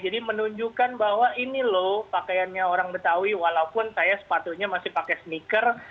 jadi menunjukkan bahwa ini loh pakaiannya orang betawi walaupun saya sepatunya masih pakai sneaker